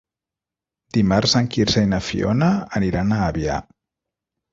Dimarts en Quirze i na Fiona aniran a Avià.